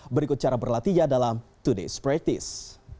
berikut cara berlatihnya dalam today's practice